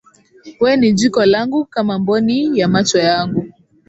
We ni jiko langu, kama mboni ya macho yangu.